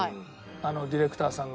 ディレクターさんが。